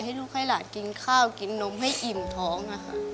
ให้ลูกให้หลานกินข้าวกินนมให้อิ่มท้อง